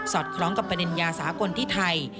คล้องกับประเด็นยาสากลที่ไทย